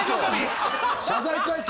謝罪会見？